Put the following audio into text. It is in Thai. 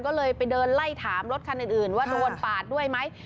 ก็เลยไปเดินไล่ถามรถคันอื่นว่าโดนปาดด้วยไหม